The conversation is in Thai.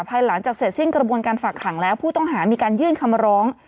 ภายหลังจากเสร็จสิ้นกระบวนการฝากขังแล้วผู้ต้องหามีการยื่นคำร้อง